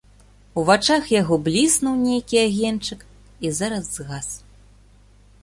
У вачах яго бліснуў нейкі агеньчык і зараз згас.